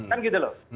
kan gitu loh